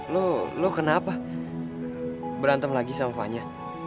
lo lo kenapa berantem lagi sama fanya